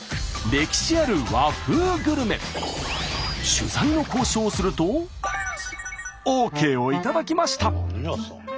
取材の交渉をするとＯＫを頂きました。